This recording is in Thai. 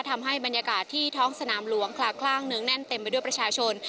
ทำให้บรรยากาศที่ท้องสนามหลวงคลาคลั่งเนื้องแน่นเต็มไปด้วยประชาชน